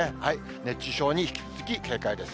熱中症に引き続き警戒です。